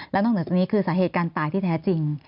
แล้วตรงนี้คือสาเหตุการณ์ตายที่แท้จริง